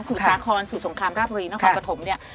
สู่ซาครสู่สงครามราบรีและฮอร์ปะถมเนี่ย